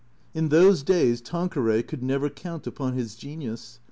In those days Tanqueray could never count upon his genius.